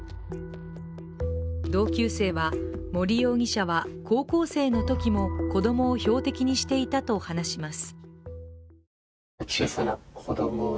同級生は森容疑者は高校生のときも子供を標的にしていたと話します。